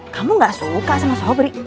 kamu gak suka sama sobri